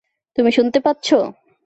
তুমি শুনতে পাচ্ছো?